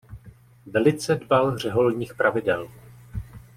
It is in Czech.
Velice dbal řeholních pravidel.